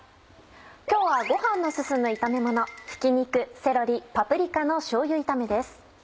今日はご飯の進む炒めもの「ひき肉セロリパプリカのしょうゆ炒め」です。